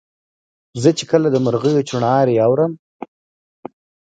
زه چي کله د مرغیو چوڼاری اورم